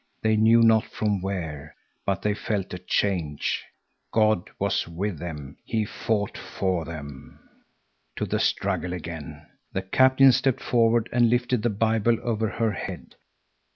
They knew not from where, but they felt a change. God was with them. He fought for them. To the struggle again! The captain stepped forward and lifted the Bible over her head.